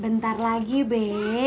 bentar lagi be